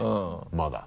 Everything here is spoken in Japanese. まだ。